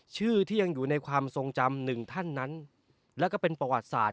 ชื่อที่ยังอยู่ในความทรงจำหนึ่งท่านนั้นแล้วก็เป็นประวัติศาสต